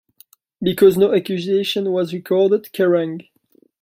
Because no accusation was recorded, Kerrang!